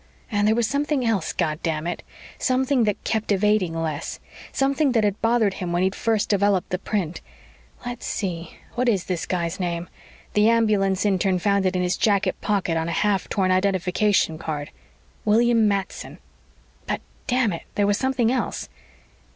And there was something else, goddamn it; something that kept evading Les; something that had bothered him when he'd first developed the print. _Let's see, what is this guy's name? The ambulance intern found it in his jacket pocket on a half torn identification card. William Matson._ But, damn it, there was something else.